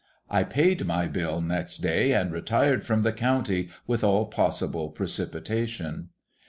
I paid my bill next day, and retired from the county with all possible precipitation.